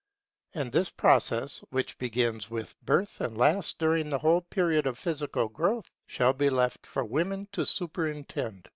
And this process, which begins with birth, and lasts during the whole period of physical growth, should be left for women to superintend.